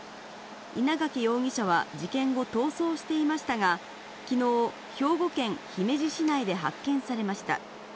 稲掛容疑者は事件後、逃走していましたが、きのう、兵庫県姫路市内で発見されました。